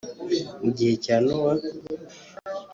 Mu gihe cya Nowa